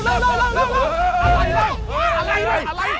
เอาไปเดี๋ยวอะไรน้ำอ่ะอย่าเหี้ยอะไร